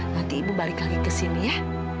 nanti ibu balik lagi kesini ya